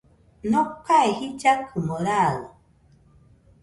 Nokae jillakɨmo raɨ